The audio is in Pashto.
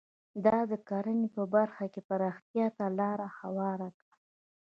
دا د کرنې په برخه کې پراختیا ته لار هواره کړه.